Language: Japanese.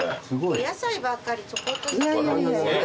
お野菜ばっかりちょこっとずつなんですけど。